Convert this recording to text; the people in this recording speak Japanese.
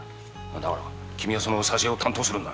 だから君はその挿絵を担当するんだ。